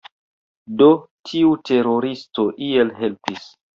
Do, tiu teroristo iel helpis